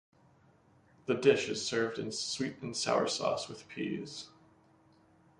The dish is served in sweet and sour sauce with peas.